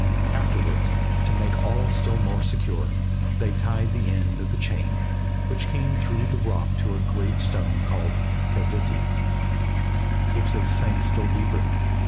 Afterwards, to make all still more secure, they tied the end of the chain, which came through the rock to a great stone called Keviti, which they sank still deeper.